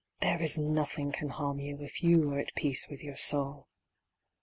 there is nothing can harm you If you are at peace with your soul.